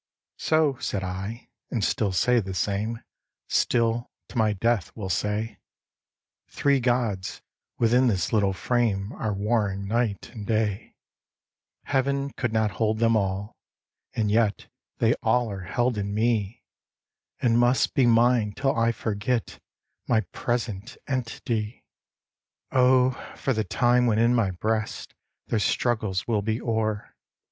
"So said I, and still say the same; Still, to my death, will say Three gods, within this little frame, Are warring night; and day; Heaven could not hold them all, and yet They all are held in me; And must be mine till I forget My present entity! Oh, for the time, when in my breast Their struggles will be o'er!